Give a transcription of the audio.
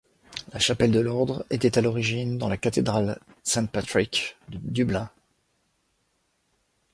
La chapelle de l’Ordre était à l’origine dans la cathédrale Saint-Patrick de Dublin.